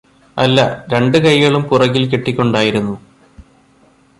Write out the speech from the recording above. അല്ല രണ്ട് കൈകളും പുറകില് കെട്ടിക്കൊണ്ടായിരുന്നു